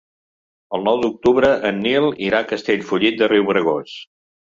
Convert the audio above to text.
El nou d'octubre en Nil irà a Castellfollit de Riubregós.